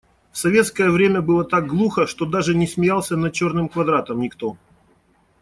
В советское время было так глухо, что даже не смеялся над «Черным квадратом» никто.